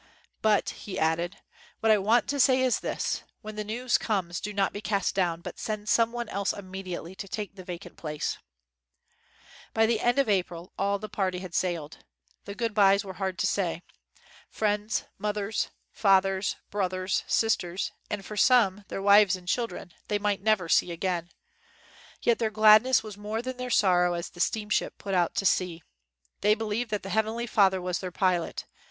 But," he added, "what I want to say is this; when the news comes, do not be cast down, but send some one else immediately to take the vacant place." By the end of April all the party had 30 AFTER THE NEWS WAS READ sailed. The good bys were hard to say. Friends, mothers, fathers, brothers, sisters, and, for some, their wives and children, they might never see again. Yet their gladness was more than their sorrow as the steam ship put out to sea. They believed that the Heavenly Father was their pilot.